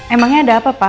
emangnya ada apa pa